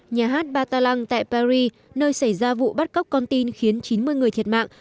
nhà hát batalang tại paris nơi xảy ra vụ bắt cóc con tin khiến chín mươi người thiệt mạng